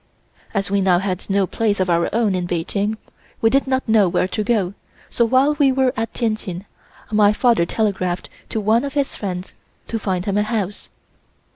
As we now had no place of our own in Peking we did not know where to go, so, while we were at Tientsin, my father telegraphed to one of his friends to find him a house.